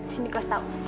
sini kau tau